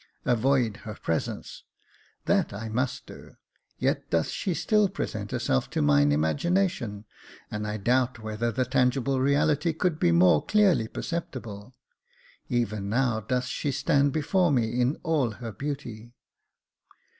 * Avoid her presence,^ — that I 288 Jacob Faithful must do ; yet doth she still present herself to mine imagination, and I doubt whether the tangible reality could be more clearly perceptible. Even now doth she stand before me in all her beauty.